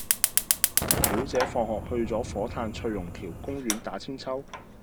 表姐放學去左火炭翠榕橋公園打韆鞦